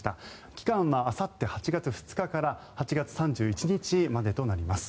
期間はあさって８月２日から８月３１日までとなります。